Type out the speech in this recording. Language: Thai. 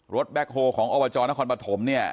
แบ็คโฮลของอบจนครปฐมเนี่ย